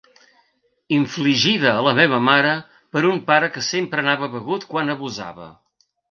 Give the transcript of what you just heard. Infligida a la meva mare per un pare que sempre anava begut quan abusava.